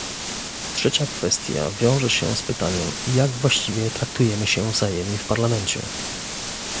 Trzecia kwestia wiąże się z pytaniem, jak właściwie traktujemy się wzajemnie w Parlamencie